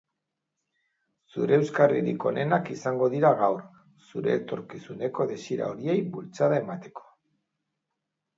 Zure euskarririk onenak izango dira gaur, zure etorkizuneko desira horiei bultzada emateko.